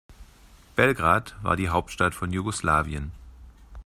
Belgrad war die Hauptstadt von Jugoslawien.